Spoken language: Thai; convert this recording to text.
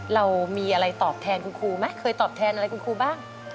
เรามีอะไรตอบแทนคุณครูไหมเคยตอบแทนอะไรคุณครูบ้าง